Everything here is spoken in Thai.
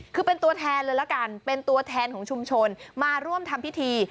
คือเป็นตัวแทนเลยละกันเป็นตัวแทนของชุมชนมาร่วมทำพิธี